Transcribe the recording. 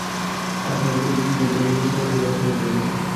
আর আপনি এক গরীব বেচারা মৃত মানুষের রক্ষাকর্তা হয়ে যাবেন।